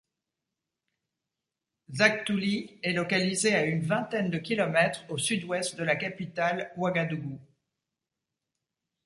Zagtouli est localisée à une vingtaine de kilomètres au sud-ouest de la capitale Ouagadougou.